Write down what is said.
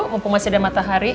mumpung masih ada matahari